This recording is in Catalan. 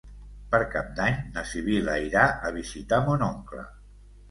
Per Cap d'Any na Sibil·la irà a visitar mon oncle.